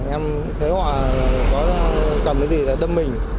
em thấy hòa có cầm cái gì là đâm mình